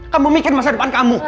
kamu mikir masa depan kamu